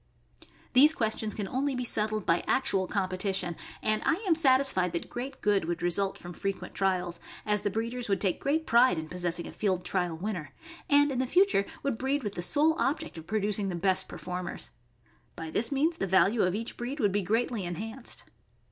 These questions can only be settled by actual competi tion, and I am satisfied that great good would result from frequent trials, as the breeders would take great pride in possessing a field trial winner, and in the future would breed with the sole object of producing the best performers. By this means the value of each breed would be greatly enhanced.